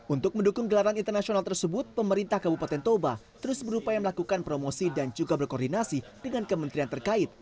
untuk mendukung gelaran internasional tersebut pemerintah kabupaten toba terus berupaya melakukan promosi dan juga berkoordinasi dengan kementerian terkait